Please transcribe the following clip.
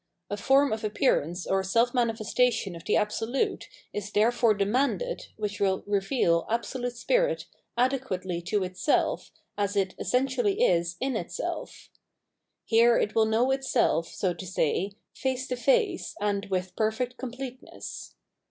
A form of appearance or self manifestation of the Absolute is therefore demanded which will reveal Absolute Spirit adequately to itself as it essentially is in itself. Here it will know itself, so to say, face to face, and with perfect completeness.